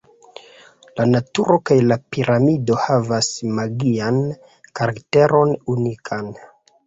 La naturo kaj la piramido havas magian karakteron unikan.